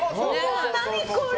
何これ！